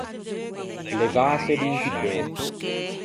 Levâse d’inti pê.